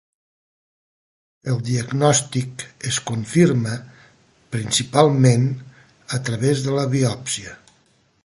El diagnòstic es confirma, principalment, a través de la biòpsia.